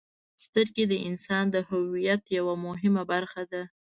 • سترګې د انسان د هویت یوه مهمه برخه ده.